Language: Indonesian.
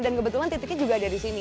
dan kebetulan titiknya juga ada disini